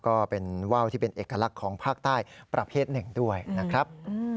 ก็เป็นว่าวที่เป็นเอกลักษณ์ของภาคใต้ประเภทหนึ่งด้วยนะครับ